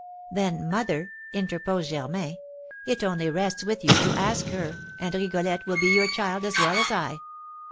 'Then, mother,' interposed Germain, 'it only rests with you to ask her, and Rigolette will be your child as well as I.'